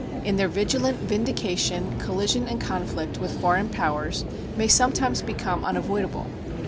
In their vigilant vindication collision and conflict with foreign powers may sometimes become unavoidable.